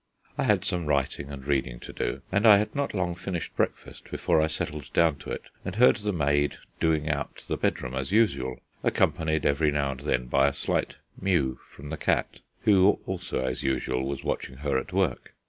I had some writing and reading to do, and I had not long finished breakfast before I settled down to it, and heard the maid "doing out" the bedroom as usual, accompanied every now and then by a slight mew from the cat, who (also as usual) was watching her at work.